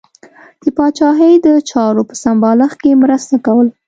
د پاچاهۍ د چارو په سمبالښت کې مرسته کوله.